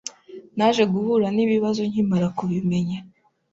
Naje guhura n’ibibazo nkimara kubimenya.